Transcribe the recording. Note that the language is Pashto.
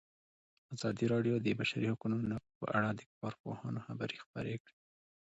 ازادي راډیو د د بشري حقونو نقض په اړه د کارپوهانو خبرې خپرې کړي.